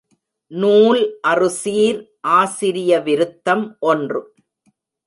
நூல் அறுசீர் ஆசிரிய விருத்தம் ஒன்று.